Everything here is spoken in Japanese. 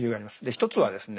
一つはですね